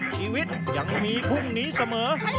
ชีวิตยังมีพรุ่งนี้เสมอ